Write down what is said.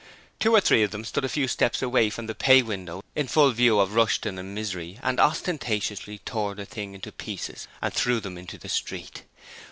Two or three of them stood a few steps away from the pay window in full view of Rushton and Misery and ostentatiously tore the thing into pieces and threw them into the street.